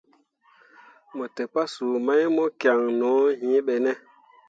Mo te pasuu mai mo kian no yĩĩ ɓe ne.